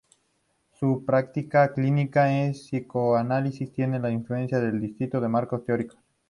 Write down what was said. Su práctica clínica en psicoanálisis tiene la influencia de distintos marcos teóricos.